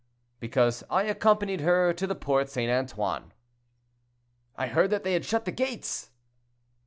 "Because I accompanied her to the Porte St. Antoine." "I heard that they had shut the gates."